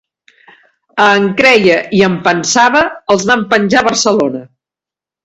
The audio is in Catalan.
A en Creia i a en Pensava els van penjar a Barcelona.